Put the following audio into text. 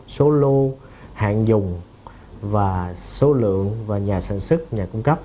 số lô hạn dùng số lượng nhà sản xuất nhà cung cấp